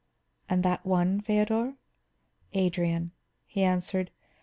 "And that one, Feodor?" "Adrian," he answered.